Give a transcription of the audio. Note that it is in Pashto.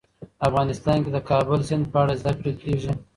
افغانستان کې د د کابل سیند په اړه زده کړه کېږي.